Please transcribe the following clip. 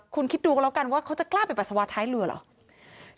คุณคิดดูกันแล้วกันว่าเขาจะกล้าไปปัสสาวะท้ายเรือเหรอ